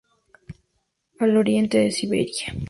Al Oriente de Siberia